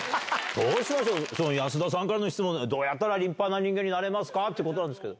どうしよう、安田さんからの質問、どうやったら立派な人間になれますかってことなんですけど。